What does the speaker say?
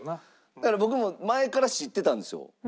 だから僕も前から知ってたんですよ。